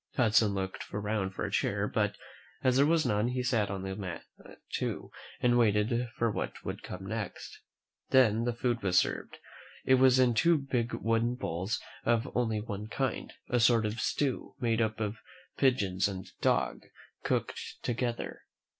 Hudson looked around for a chair; but, as there was none, he sat down on a mat too, and waited for what would come next. Then the food was served. It was in two big wooden bowls and of only one kind — a sort of stew, made up of pigeons and dog cooked together.